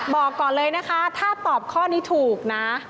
บอกก่อนเลยนะคะถ้าตอบข้อนี้ถูกนะ